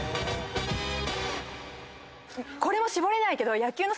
これも絞れないけど野球の。